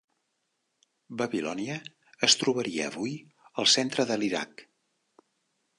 Babilònia es trobaria avui al centre de l'Iraq.